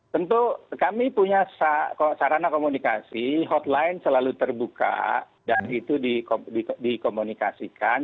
tentu kami punya sarana komunikasi hotline selalu terbuka dan itu dikomunikasikan